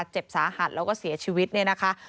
เผื่อเขายังไม่ได้งาน